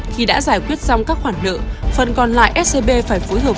khi đã giải quyết xong các khoản nợ phần còn lại scb phải phối hợp